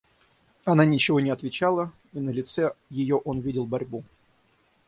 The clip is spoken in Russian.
Она ничего не отвечала, и на лице ее он видел борьбу.